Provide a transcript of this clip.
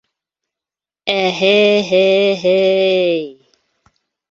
— Әһе-һе-һе-й-й!..